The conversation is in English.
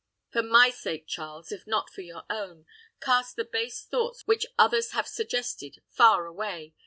For my sake, Charles, if not for your own, cast the base thoughts which others have suggested far away.